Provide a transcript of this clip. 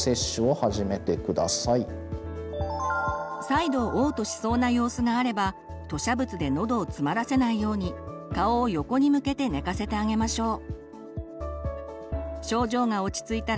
再度おう吐しそうな様子があれば吐しゃ物で喉をつまらせないように顔を横に向けて寝かせてあげましょう。